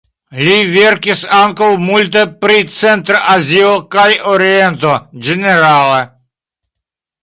Li verkis ankaŭ multe pri Centra Azio kaj Oriento ĝenerale.